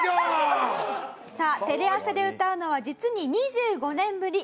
さあテレ朝で歌うのは実に２５年ぶり。